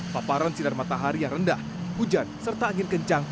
paparan sinar matahari yang rendah hujan serta angin kencang